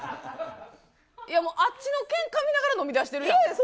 いや、もう、あっちのけんか見ながら飲みだしてるやん。